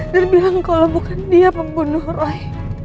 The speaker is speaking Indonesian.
dan bilang kalau bukan dia pembunuh roy